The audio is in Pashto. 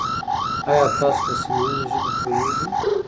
آیا تاسو په سیمه ییزو ژبو پوهېږئ؟